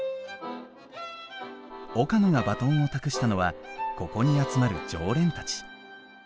岡野がバトンを託したのはここに集まる常連たち。